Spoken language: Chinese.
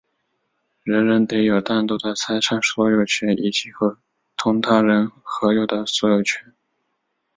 人人得有单独的财产所有权以及同他人合有的所有权。